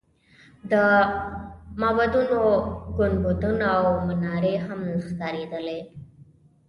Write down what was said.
د معبدونو ګنبدونه او منارې هم ښکارېدلې.